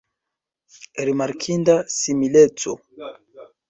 Rimarkinda simileco!